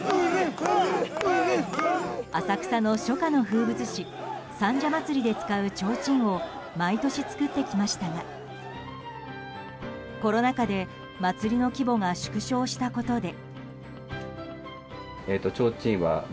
浅草の初夏の風物詩三社祭で使うちょうちんを毎年、作ってきましたがコロナ禍で祭りの規模が縮小したことで。